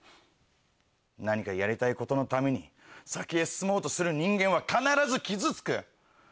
何かやりたいことのために先へ進もうとする人間は必ず傷つく。